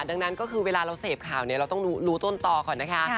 ดังนั้นก็คือเวลาเราเสพข่าวเนี่ยเราต้องรู้ต้นต่อก่อนนะคะ